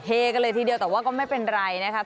กันเลยทีเดียวแต่ว่าก็ไม่เป็นไรนะครับ